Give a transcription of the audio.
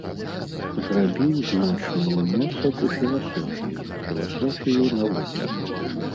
Зрабіў значны ўнёсак у філасофію, філасофію навукі.